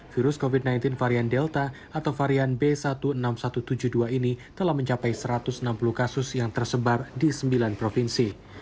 virus covid sembilan belas varian delta atau varian b satu enam ribu satu ratus tujuh puluh dua ini telah mencapai satu ratus enam puluh kasus yang tersebar di sembilan provinsi